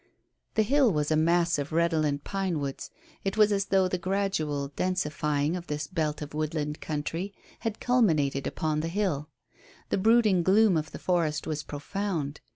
The hill was a mass of redolent pinewoods. It was as though the gradual densifying of this belt of woodland country had culminated upon the hill. The brooding gloom of the forest was profound.